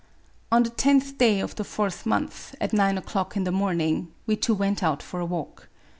On the tenth day of the fourth month, at nine o'clock in the morning, we two went out for a walk.